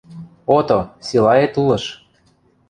– Ото, силаэт улыш...